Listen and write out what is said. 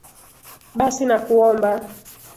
basi nakuomba